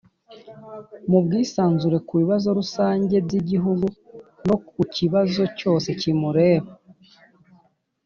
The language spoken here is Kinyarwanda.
mu bwisanzure ku bibazo rusange by'igihugu no ku kibazo cyose kimureba